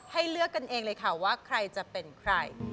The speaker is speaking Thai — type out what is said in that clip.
เลือกกันเองเลยค่ะว่าใครจะเป็นใคร